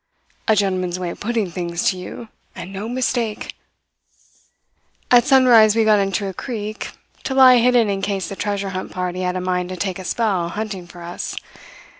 A gentleman's way of putting things to you and no mistake! "At sunrise we got into a creek, to lie hidden in case the treasure hunt party had a mind to take a spell hunting for us.